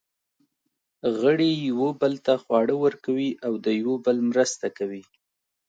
غړي یوه بل ته خواړه ورکوي او د یوه بل مرسته کوي.